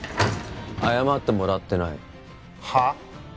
謝ってもらってないはっ？